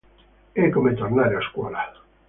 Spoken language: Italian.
È come tornare a scuola.